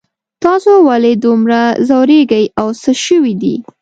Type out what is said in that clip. تاسو ولې دومره ځوریږئ او څه شوي دي